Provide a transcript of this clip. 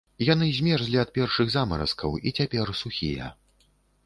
Яны змерзлі ад першых замаразкаў і цяпер сухія.